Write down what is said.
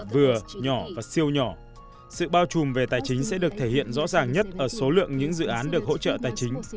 vừa nhỏ và siêu nhỏ sự bao trùm về tài chính sẽ được thể hiện rõ ràng nhất ở số lượng những dự án được hỗ trợ tài chính